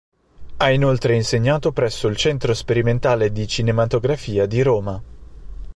Ha inoltre insegnato presso il Centro Sperimentale di Cinematografia di Roma.